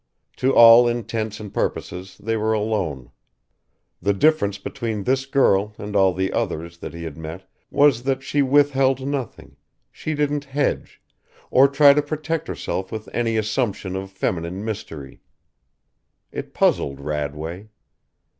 To all intents and purposes they were alone. The difference between this girl and all the others that he had met was that she withheld nothing, she didn't hedge, or try to protect herself with any assumption of feminine mystery. It puzzled Radway.